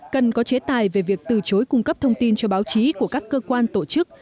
cần có chế tài về việc từ chối cung cấp thông tin cho báo chí của các cơ quan tổ chức